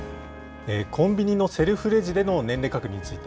コンビニのセルフレジでの年齢確認について。